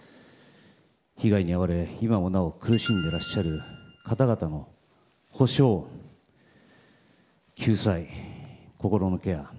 被害に遭われ、今もなお苦しんでいらっしゃる方々の補償救済、心のケア